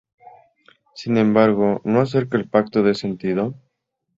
Sin embargo, no hacer que el Pacto de sentido.